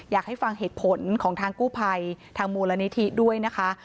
อยากให้ฟังเหตุผลของทางกู้ภัยทางมูลนิธิด้วยนะคะ